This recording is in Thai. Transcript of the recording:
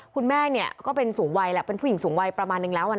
คุณแม่ก็เป็นสูงวัยแหละเป็นผู้หญิงสูงวัยประมาณนึงแล้ว